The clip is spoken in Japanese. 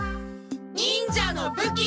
「忍者の武器」。